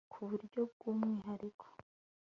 ku buryo bwu mwihariko